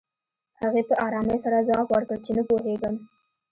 هغې په ارامۍ سره ځواب ورکړ چې نه پوهېږم